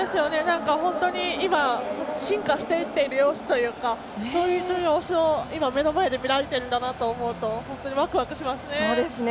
今、進化していっている様子というかそういう様子を今、目の前で見られてるんだと思うとワクワクしますね。